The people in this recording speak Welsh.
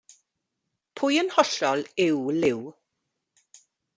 Pwy yn hollol yw Liw?